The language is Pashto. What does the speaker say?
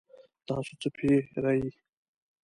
تاسو څه پیرئ؟